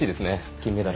金メダル。